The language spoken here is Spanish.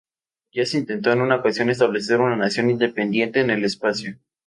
Ya se intentó en una ocasión establecer una nación independiente en el espacio.